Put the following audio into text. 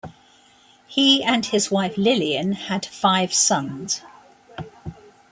He and his wife Lillian had five sons.